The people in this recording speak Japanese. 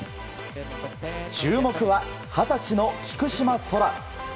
注目は、二十歳の菊島宙。